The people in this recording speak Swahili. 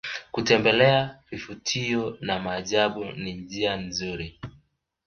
kutembelea vivutio na maajabu ni njia nzuri